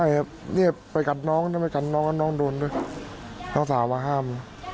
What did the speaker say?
ให้เงียบไปกัดน้องถ้าไปกัดน้องน้องโดนด้วยน้องสาวมาห้าม